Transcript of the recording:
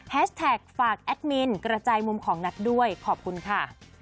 แท็กฝากแอดมินกระจายมุมของนัทด้วยขอบคุณค่ะ